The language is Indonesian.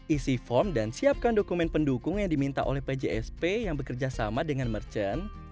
isi form dan siapkan dokumen pendukung yang diminta oleh pjsp yang bekerja sama dengan merchant